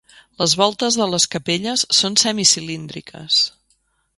Les voltes de les capelles són semicilíndriques.